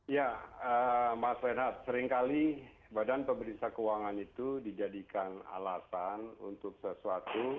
ya mas renhat seringkali badan pemeriksa keuangan itu dijadikan alasan untuk sesuatu